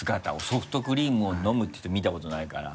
ソフトクリームを飲むっていう人見たことないから。